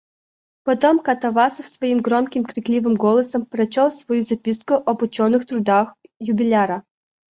Потом Катавасов своим громким, крикливым голосом прочел свою записку об ученых трудах юбиляра.